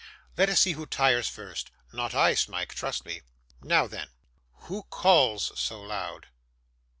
Let us see who tires first. Not I, Smike, trust me. Now then. Who calls so loud?